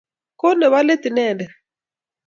Ko nepo let inendet